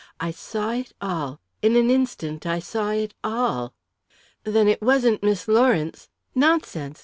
I saw it all. In an instant, I saw it all! "Then it wasn't Miss Lawrence " "Nonsense!